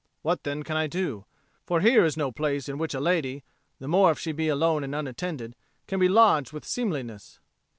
What then can I do? For here is no place in which a lady, the more if she be alone and unattended, can be lodged with seemliness."